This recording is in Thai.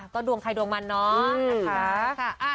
ก็ดวงใครดวงมันเนาะนะคะ